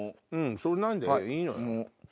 そんなんでいいのよ。